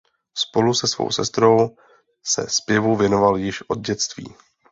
Spolu se svou sestrou se zpěvu věnoval již od dětství.